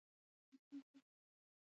که پوښتنه لری یو غږیز پیغام ولیږه